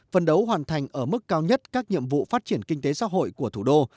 phân đấu hoàn thành ở mức cao nhất các nhiệm vụ phát triển kinh tế xã hội của thủ đô